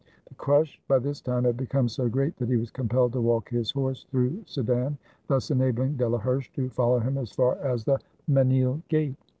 The crush by this time had become so great that he was compelled to walk his horse through Sedan, thus enabhng Delaherche to follow him as far as the Menil gate.